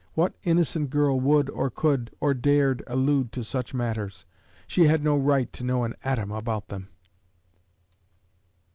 What innocent girl would or could or dared allude to such matters? She had no right to know an atom about them!